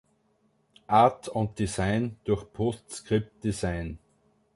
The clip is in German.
Art und Design durch PostScript Design.